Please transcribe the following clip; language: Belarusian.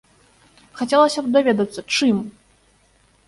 Хацелася б даведацца, чым?